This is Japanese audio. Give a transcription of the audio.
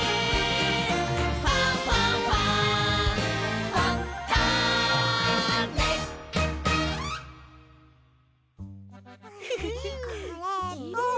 「ファンファンファン」んこれと。